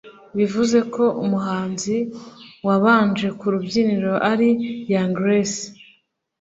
bivuze ko umuhanzi wabanje ku rubyiniro ari Young Grace